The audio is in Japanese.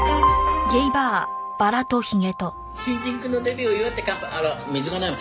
新人くんのデビューを祝って乾杯あら水がないわ。